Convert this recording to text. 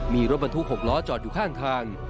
มีรถบรรทุก๖ล้อจอดอยู่ข้างทาง